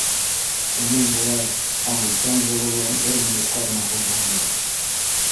Уның былай аң-таң булыуы бер минутҡа ғына һуҙылды.